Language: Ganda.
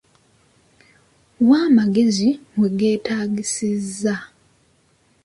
Wa amagezi we geetaagisiza.